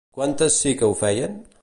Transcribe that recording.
Quantes sí que ho feien?